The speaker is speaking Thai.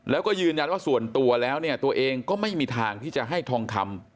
แล้วก็ยืนยันว่าส่วนตัวแล้วเนี่ยตัวเองก็ไม่มีทางที่จะให้ทองคำ